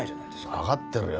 わかってるよ。